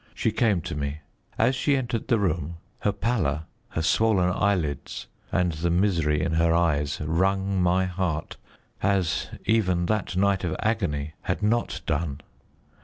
She came to me. As she entered the room, her pallor, her swollen eyelids and the misery in her eyes wrung my heart as even that night of agony had not done.